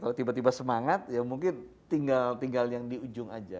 kalau tiba tiba semangat ya mungkin tinggal yang di ujung aja